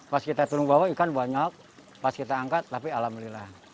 pas kita turun bawa ikan banyak pas kita angkat tapi alhamdulillah